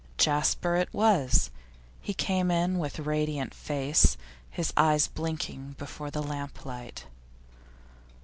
Jasper it was; he came in with radiant face, his eyes blinking before the lamplight.